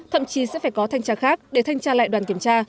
thậm chí sẽ phải có thanh tra khác để thanh tra lại đoàn kiểm tra